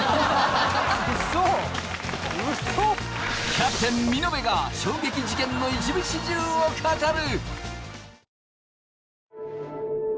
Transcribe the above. キャプテン見延が衝撃事件の一部始終を語る！